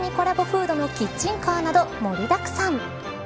フードのキッチンカーなど盛りだくさん。